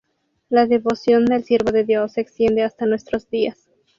La devoción al Siervo de Dios se extiende hasta nuestros días.